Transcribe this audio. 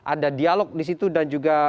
ada dialog di situ dan juga